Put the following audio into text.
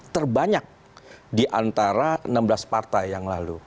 terbanyak di antara enam belas partai yang lalu